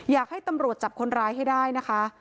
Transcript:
อยากให้ตำรวจจับคนร้ายให้ได้นะคะ